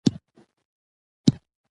د زړونو ناروغۍ د کینې له امله رامنځته کیږي.